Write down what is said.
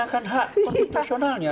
menggunakan hak personalnya